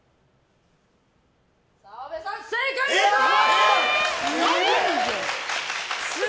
澤部さん、正解です！